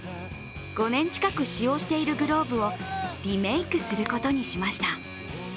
５年近く使用しているグローブをリメークすることにしました。